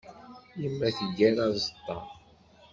Yemma teggar aẓeṭṭa.